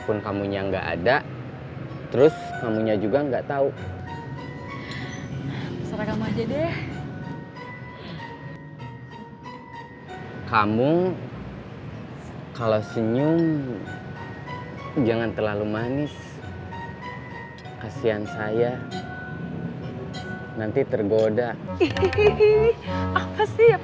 papih jalan jalan yuk